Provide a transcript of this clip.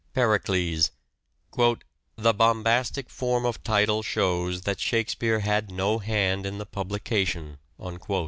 Pericles :" The bombastic form of title shows that Shakespeare had no hand in the publication " (1609).